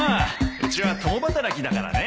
うちは共働きだからね